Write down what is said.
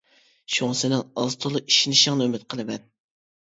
شۇڭا سېنىڭ ئاز-تولا ئىشىنىشىڭنى ئۈمىد قىلىمەن.